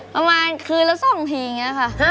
ประมาณคืนแล้วสองทีอย่างนี้ค่ะ